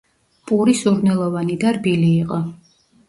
პური სურნელოვანი და რბილი იყო.